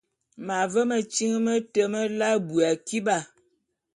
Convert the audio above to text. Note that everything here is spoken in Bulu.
M’ave metyiñ mete melae abui akiba.